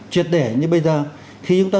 truyệt để như bây giờ khi chúng ta